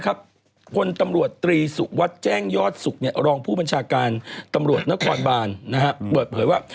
คนตำรวจตรีสุวัสดิ์แจ้งยอดสุขรองผู้บัญชาการตำรวจนครบานเปิดเผยว่า